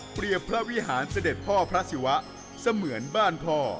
พระวิหารเสด็จพ่อพระศิวะเสมือนบ้านพ่อ